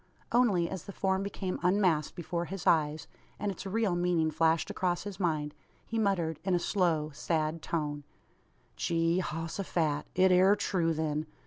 Only, as the form became unmasked before his eyes, and its real meaning flashed across his mind, he muttered, in a slow, sad tone: "Gee hos o phat! It air true, then!